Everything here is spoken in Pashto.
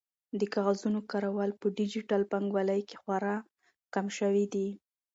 د کاغذونو کارول په ډیجیټل بانکوالۍ کې خورا کم شوي دي.